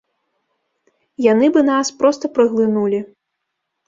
Яны бы нас проста праглынулі.